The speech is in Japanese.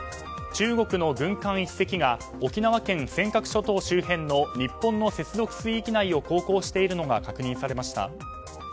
中国の軍艦１隻が沖縄県尖閣諸島周辺の日本の接続水域内を航行しているのが確認されました。